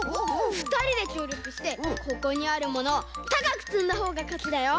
ふたりできょうりょくしてここにあるものをたかくつんだほうがかちだよ。